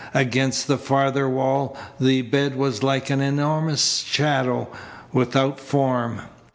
Against the farther wall the bed was like an enormous shadow, without form.